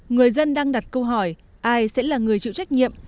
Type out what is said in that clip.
người dân đang đặt câu hỏi ai sẽ là người chịu trách nhiệm